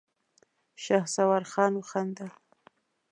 شهسوار خان وخندل.